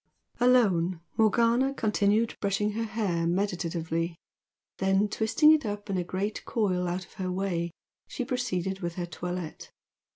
Alone, Morgana continued brushing her hair meditatively, then, twisting it up in a great coil out of her way, she proceeded with her toilette.